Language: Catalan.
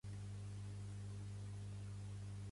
Quan els éssers humans deixaran d'explotar a les vaques?